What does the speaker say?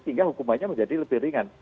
sehingga hukumannya menjadi lebih ringan